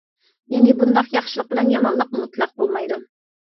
يەنى بۇنداق ياخشىلىق بىلەن يامانلىق مۇتلەق بولمايدۇ.